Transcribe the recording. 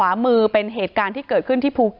ว่าต้องเทียบเคียงกับเหตุการณ์นี้ด้วยเดี๋ยวลองฟังดูค่ะ